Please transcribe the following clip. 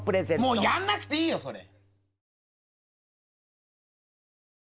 もうやんなくていいよそれ。